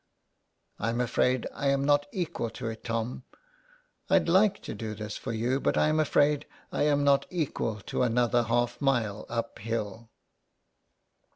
'*" I am afraid I am not equal to it, Tom. I'd like to do this for you, but I am afraid I am not equal to another half mile up hill."